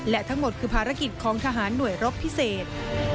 และทั้งหมดคือภารกิจของทหารหน่วยรบพิเศษ